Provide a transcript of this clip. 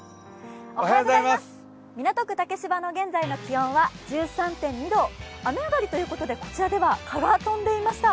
港区竹芝の現在の気温は１３．２度、雨上がりということで、こちらでは蚊が飛んでいました。